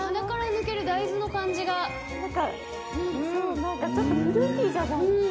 なんかちょっとフルーティーじゃないですか？